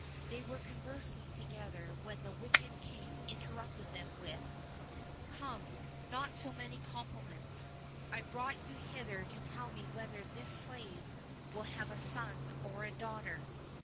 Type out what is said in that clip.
They were conversing together when the wicked king interrupted them with: "Come, not so many compliments; I brought you hither to tell me whether this slave will have a son or a daughter."